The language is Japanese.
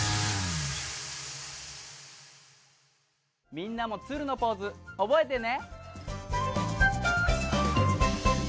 みんなも鶴のポーズ覚えてね。